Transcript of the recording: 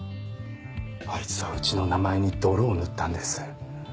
あいつはうちの名前に泥を塗ったんです。